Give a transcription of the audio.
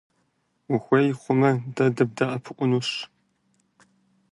Ухуей хъумэ, дэ дыбдэӀэпыкъунщ.